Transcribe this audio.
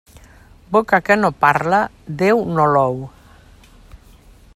Boca que no parla, Déu no l'ou.